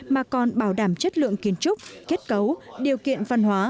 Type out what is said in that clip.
mà còn bảo đảm chất lượng kiến trúc kết cấu điều kiện văn hóa